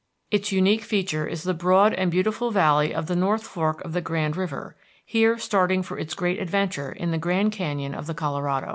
Its unique feature is the broad and beautiful valley of the North Fork of the Grand River, here starting for its great adventure in the Grand Canyon of the Colorado.